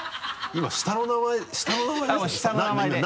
今下の名前下の名前で。